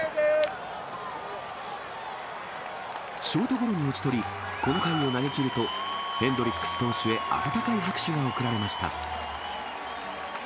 ショートゴロに打ち取り、この回を投げきると、ヘンドリックス投手へ温かい拍手が送られました。